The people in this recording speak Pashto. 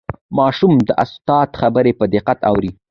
ماشوم د استاد خبرې په دقت اوري